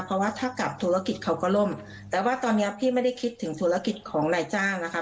เพราะว่าถ้ากลับธุรกิจเขาก็ล่มแต่ว่าตอนเนี้ยพี่ไม่ได้คิดถึงธุรกิจของนายจ้างนะคะ